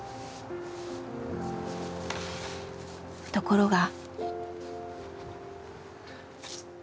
ところが。